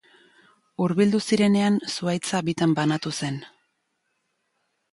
Hurbildu zirenean zuhaitza bitan banatu zen.